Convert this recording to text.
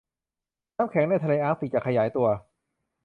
น้ำแข็งในทะเลอาร์กติกจะขยายตัว